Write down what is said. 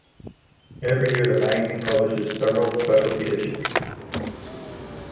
Every year the magazine publishes several specialty issues.